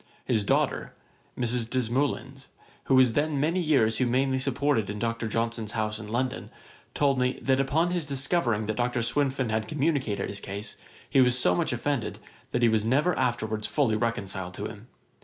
His daughter, Mrs. Desmoulins, who was many years humanely supported in Dr. Johnson's house in London, told me, that upon his discovering that Dr. Swinfen had communicated his case, he was so much offended, that he was never afterwards fully reconciled to him.